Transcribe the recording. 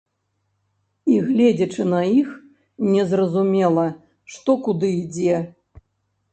І гледзячы на іх, не зразумела, што куды ідзе.